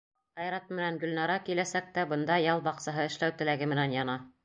Айрат менән Гөлнара киләсәктә бында ял баҡсаһы эшләү теләге менән яна.